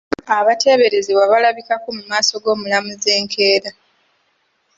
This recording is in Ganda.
Abateeberezebwa balabikako mu maaso g'omulamuzi enkeera.